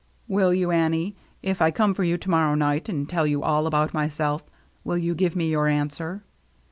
Will you, Annie? If I come for you to morrow night and tell you all about myself, will you give me your answer